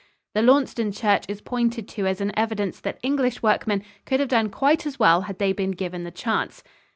The Launceston church is pointed to as an evidence that English workmen could have done quite as well had they been given the chance.